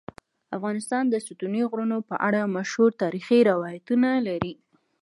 افغانستان د ستوني غرونه په اړه مشهور تاریخی روایتونه لري.